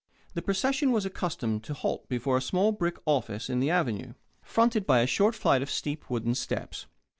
The procession was accustomed to halt before a small brick office on the Avenue, fronted by a short flight of steep wooden steps.